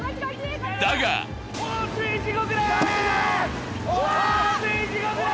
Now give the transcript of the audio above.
だが放水地獄だ